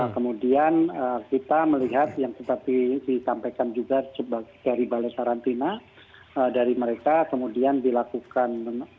kemudian kita melihat yang seperti disampaikan juga dari balai karantina dari mereka kemudian dilakukan